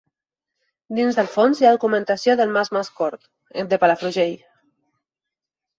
Dins del fons hi ha documentació del mas Mascort, de Palafrugell.